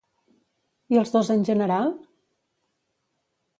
I els dos en general?